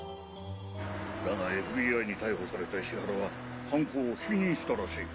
だがＦＢＩに逮捕された石原は犯行を否認したらしい。